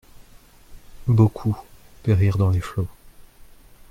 Beaucoup périrent dans les flots.